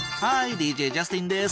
ＤＪジャスティンです。